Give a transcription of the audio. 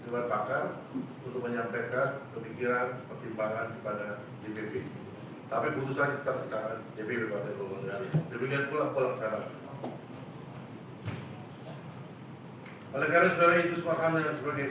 waktunya kami serahkan kepada dpp partai golongan karya